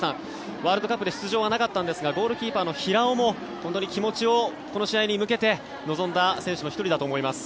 ワールドカップで出場はなかったんですがゴールキーパーの平尾も気持ちをこの試合に向けて臨んだ選手の１人だと思います。